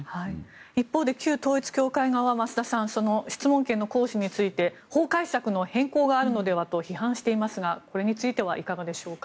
一方で、旧統一教会側は増田さん、質問権の行使について法解釈の変更があるのではと批判していますがこれについてはいかがでしょうか。